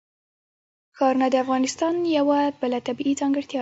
ښارونه د افغانستان یوه بله طبیعي ځانګړتیا ده.